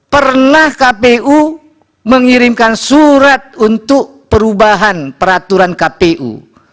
pernah kpu mengirimkan surat untuk perubahan peraturan kpu